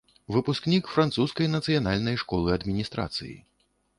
Выпускнік французскай нацыянальнай школы адміністрацыі.